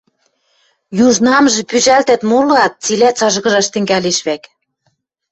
Южнамжы пӱжӓлтӓт молоат, цилӓ цажгыжаш тӹнгӓлеш вӓк.